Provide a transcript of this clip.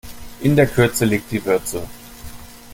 In der Kürze liegt die Würze.